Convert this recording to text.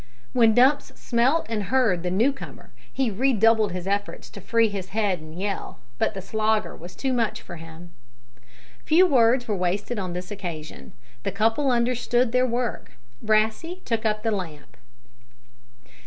When Dumps smelt and heard the new comer, he redoubled his efforts to free his head and yell, but the Slogger was too much for him. Few words were wasted on this occasion. The couple understood their work. Brassey took up the lamp.